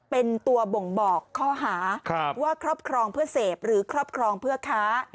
เป็นตัวบ่งบอกข้อหาว่าครอบครองเพื่อเสพหรือครอบครองเพื่อค้า